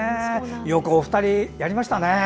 よくお二人、やりましたね。